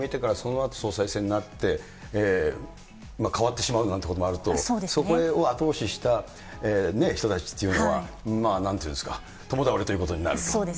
確かにそうですよね、人事を決めてから、そのあと総裁選になって、変わってしまうなんてこともあると、そこを後押しした人たちっていうのはね、なんて言うんですか、共倒れということになる。